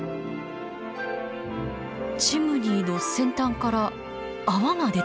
チムニーの先端から泡が出ています。